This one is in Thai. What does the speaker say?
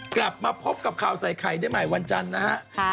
กลับมาพบกับข่าวใส่ไข่ได้ใหม่วันจันทร์นะฮะ